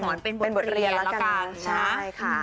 เนื้อผู้หญิงมัยจะกลัว